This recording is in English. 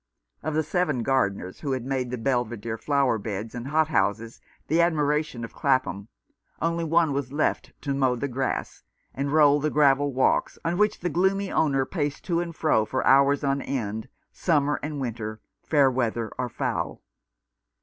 Of the seven gardeners who had made the Belvidere flower beds and hot houses the admira tion of Clapham, one only was left to mow the grass and roll the gravel walks, on which the gloomy owner paced to and fro for hours on end, summer and winter, fair weather or foul.